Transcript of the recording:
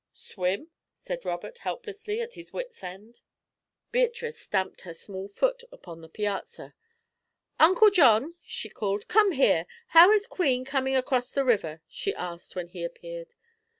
"Swim," said Robert, helplessly, at his wit's end. Beatrice stamped her small foot upon the piazza. "Uncle John," she called, "come here! How is Queen coming across the river?" she asked, when he appeared.